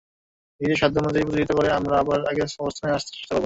নিজেদের সাধ্য অনুযায়ী প্রতিযোগিতা করে আমরা আবার আগের অবস্থানে আসতে চেষ্টা করব।